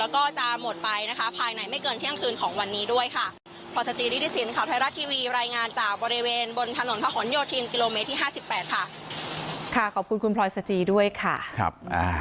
ค่ะขอบคุณคุณพลอยสจีย์ด้วยค่ะครับ